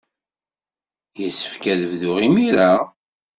Yessefk ad bduɣ imir-a?